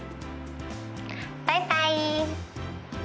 バイバイ。